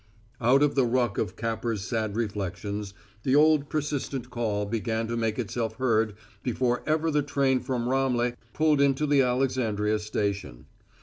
Out of the ruck of Capper's sad reflections the old persistent call began to make itself heard before ever the train from Ramleh pulled into the Alexandria station.